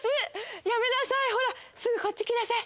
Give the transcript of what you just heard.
やめなさいほらすぐこっち来なさい